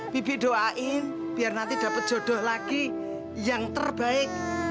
bibi doain biar nanti dapat jodoh lagi yang terbaik